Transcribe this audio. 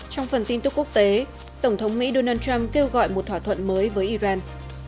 trong phần tin tức quốc tế tổng thống mỹ donald trump kêu gọi một thỏa thuận mới với iran